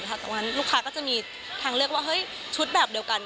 แต่วันนั้นลูกค้าก็จะมีทางเลือกว่าเฮ้ยชุดแบบเดียวกัน